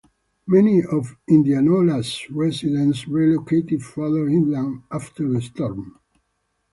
Many of Indianola's residents relocated farther inland after the storm.